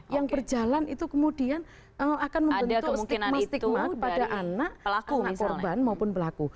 yang berjalan itu kemudian akan membentuk stigma stigma pada anak korban maupun pelaku